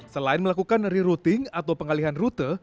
selain melakukan rerouting atau pengalihan rute